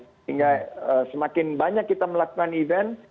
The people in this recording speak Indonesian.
sehingga semakin banyak kita melakukan event